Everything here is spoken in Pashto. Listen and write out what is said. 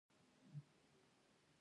زه د دین پوهني سره علاقه لرم.